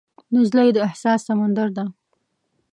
نجلۍ د احساس سمندر ده.